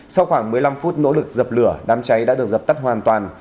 sau khoảng một mươi năm phút nỗ lực dập lửa đám cháy đã được dập tắt hoàn toàn